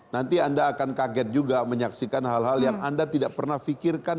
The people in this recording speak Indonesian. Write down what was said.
nanti anda akan kaget juga menyaksikan hal hal yang anda tidak pernah fikirkan